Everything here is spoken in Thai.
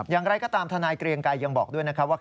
อย่างไรก็ตามทนายเกรียงไกรยังบอกด้วยนะครับว่า